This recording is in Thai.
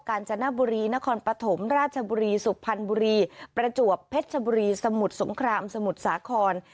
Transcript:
การจนบุรีนครปฐมราชบุรีสุพรรณบุรีประจวบเพชรชบุรีสมุทรสงครามสมุทรสาคร